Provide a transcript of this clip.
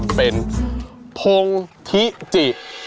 มันเป็นอะไร